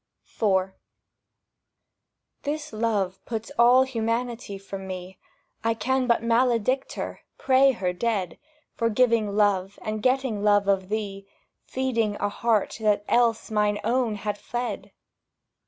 1866. SHE, TO HIM IV This love puts all humanity from me; I can but maledict her, pray her dead, For giving love and getting love of thee— Feeding a heart that else mine own had fed!